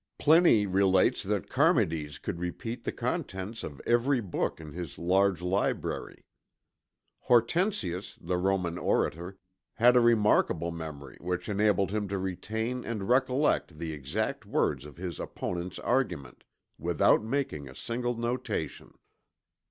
Pliny relates that Charmides could repeat the contents of every book in his large library. Hortensius, the Roman orator, had a remarkable memory which enabled him to retain and recollect the exact words of his opponent's argument, without making a single notation.